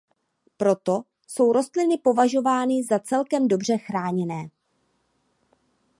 Proto jsou rostliny považovány za celkem dobře chráněné.